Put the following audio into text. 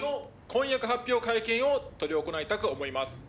「婚約発表会見を執り行いたく思います」